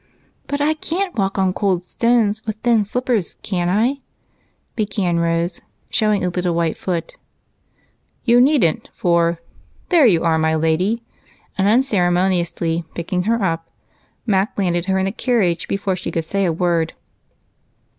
"But I can't walk on cold stones with thin slippers, can I?" began Rose, showing him a little white foot. "You needn't, for there you are, my lady." And, unceremoniously picking her up, Mac landed her in the carriage before she could say a word.